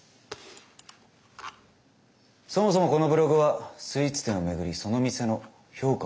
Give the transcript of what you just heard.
そもそもこのブログはスイーツ店を巡りその店の評価をするものだ。